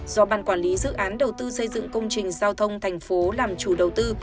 do ban quản lý dự án đầu tư xây dựng công trình giao thông thành phố làm chủ đầu tư